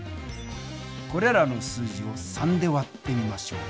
これらの数字を３で割ってみましょう。